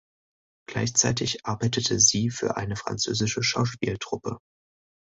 Gleichzeitig arbeitete sie für eine französische Schauspieltruppe.